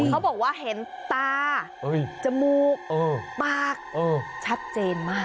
เขาบอกว่าเห็นตาจมูกปากชัดเจนมาก